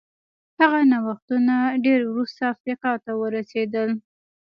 هغه نوښتونه ډېر وروسته افریقا ته ورسېدل.